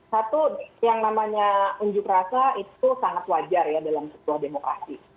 satu yang namanya unjuk rasa itu sangat wajar ya dalam sebuah demokrasi